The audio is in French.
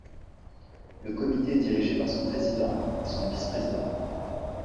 Le comité est dirigé par son président et son vice-président.